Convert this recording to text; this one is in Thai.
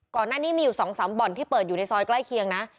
ก่อนหน้านี้มีอยู่๒๓บ่อนที่เปิดอยู่ในซอยใกล้เคียงนะ